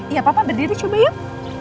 iya papa berdiri coba yuk